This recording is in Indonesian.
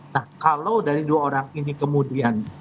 nah kalau dari dua orang ini kemudian